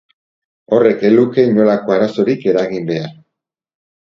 Horrek ez luke inolako arazorik eragin behar.